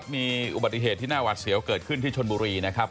มีอุบัติเหตุที่น่าหวัดเสียวเกิดขึ้นที่ชนบุรีนะครับ